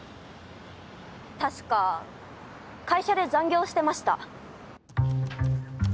確か会社で残業をしてました。